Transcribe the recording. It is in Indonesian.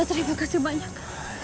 terima kasih banyak